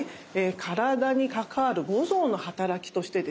体に関わる五臓のはたらきとしてですね